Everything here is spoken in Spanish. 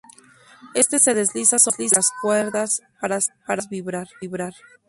Este se desliza sobre las cuerdas para hacerlas vibrar.